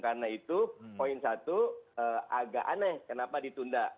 karena itu poin satu agak aneh kenapa ditunda